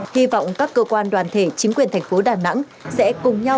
hy vọng các cơ quan đoàn thể chính quyền thành phố đà nẵng